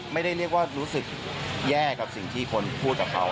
ไม่ได้เรียกว่ารู้สึกแย่กับสิ่งที่คนพูดกับเขา